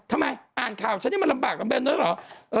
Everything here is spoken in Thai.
ทำไมอ่านข่าวฉันนี่มันลำบากกันแม่นด้วยหรือ